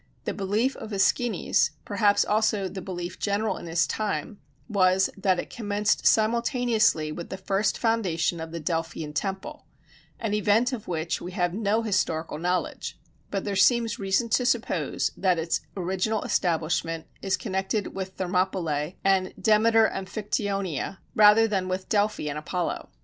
The belief of Æschines (perhaps also the belief general in his time) was, that it commenced simultaneously with the first foundation of the Delphian temple an event of which we have no historical knowledge; but there seems reason to suppose that its original establishment is connected with Thermopylæ and Demeter Amphictyonia, rather than with Delphi and Apollo.